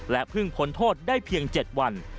และพึ่งผลโทษได้เพียง๗วัน